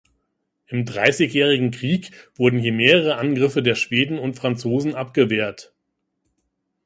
Im Dreißigjährigen Krieg wurden hier mehrere Angriffe der Schweden und Franzosen abgewehrt.